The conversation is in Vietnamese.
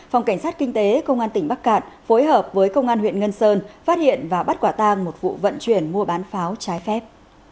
phòng cảnh sát kinh tế công an tỉnh bắc cạn phối hợp với công an huyện ngân sơn phát hiện và bắt quả tang một vụ vận chuyển mua bán pháo trái phép